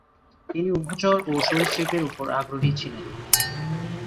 তিনি উভচর ও সরীসৃপের উপর আগ্রহী ছিলেন।